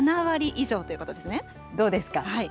どうですか？